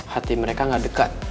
hati mereka gak dekat